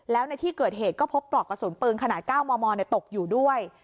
แล้วในที่เกิดเหตุก็พบปลอกกระสุนปืนขนาด๙มมตกอยู่ด้วย